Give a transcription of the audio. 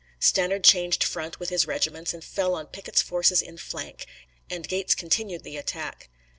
Stannard changed front with his regiments and fell on Pickett's forces in flank, and Gates continued the attack.